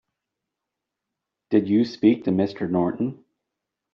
Did you speak to Mr. Norton?